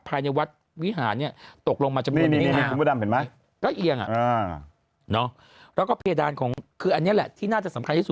ภายในวัดวิหารเนี่ยตกลงมาจะเป็นวิหารแล้วก็เพดานของคืออันนี้แหละที่น่าจะสำคัญที่สุด